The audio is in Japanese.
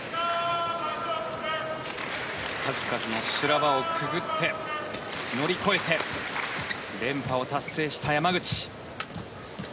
数々の修羅場をくぐって乗り越えて連覇を達成した山口。